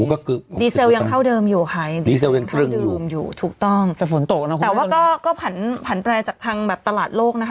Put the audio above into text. ๖๐สตางค์ดีเซลล์ยังเท่าเดิมอยู่ไฮถูกต้องแต่ว่าก็ผันแปลจากทางตลาดโลกนะคะ